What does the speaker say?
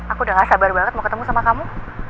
aku udah gak sabar banget mau ketemu sama kamu